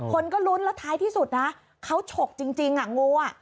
คนก็ลุ้นแล้วท้ายที่สุดนะเขาฉกจริงอ่ะงูอ่ะ